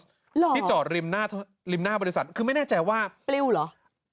หรอที่จอดริมหน้าริมหน้าบริษัทคือไม่แน่ใจว่าปลิ้วเหรอ